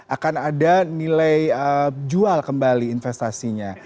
akan ada nilai jual kembali investasinya